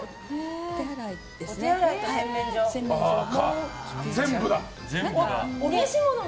お手洗いと洗面所も。